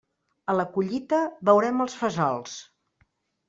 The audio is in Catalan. A la collita veurem els fesols.